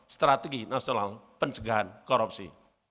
strategi nasional pencegahan korupsi